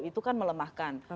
itu kan melemahkan